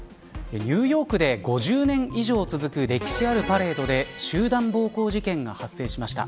ニューヨークで５０年以上続く歴史あるパレードで集団暴行事件が発生しました。